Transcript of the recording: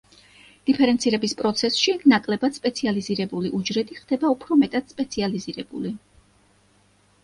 დიფერენცირების პროცესში ნაკლებად სპეციალიზირებული უჯრედი ხდება უფრო მეტად სპეციალიზირებული.